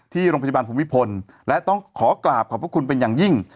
ที่โรงพยาบาลภูมิพลและต้องขอกราบขอบพระคุณเป็นอย่างยิ่ง